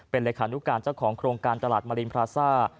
เป็นเลขานุการเจ้าของโครงการตลาดมารินพราซ่า